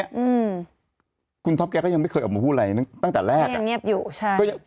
อืมคุณท็อปแกก็ยังไม่เคยออกมาพูดอะไรตั้งแต่แรกยังเงียบอยู่ใช่ก็ยัง